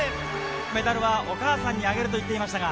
メダルはお母さんにあげると言っていましたが。